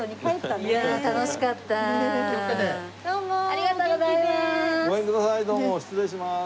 ありがとうございます。